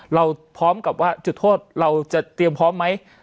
เราพร้อมกับว่าจุดโทษเราจะเตรียมพร้อมไหม